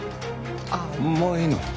ああもういいの？